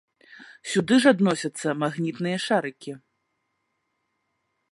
Сюды ж адносяцца магнітныя шарыкі.